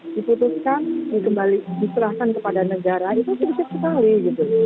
diputuskan diserahkan kepada negara itu sedikit sekali gitu